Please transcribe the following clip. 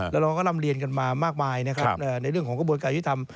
แล้วเราก็ร่ำเรียนกันมามากมายนะครับในเรื่องของกระบวนการยุทธรรม